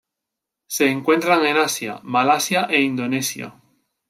Se encuentran en Asia: Malasia e Indonesia.